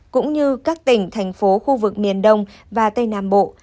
cũng như các tỉnh thành phố khu vực miền đông và tây nam bộ